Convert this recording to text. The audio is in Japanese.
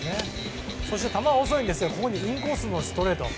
そして球は遅いんですがインコースへのストレート。